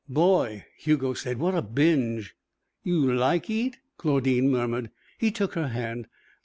"Boy!" Hugo said. "What a binge!" "You like eet?" Claudine murmured. He took her hand.